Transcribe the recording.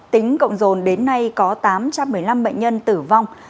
tính cộng rồn đến nay có tám trăm một mươi năm bệnh nhân tử vong